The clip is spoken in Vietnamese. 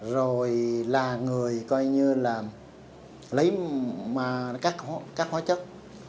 rồi là người coi như là lấy các hóa chất